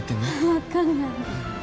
わかんない。